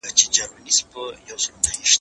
زه اوږده وخت د سبا لپاره د يادښتونه بشپړوم!!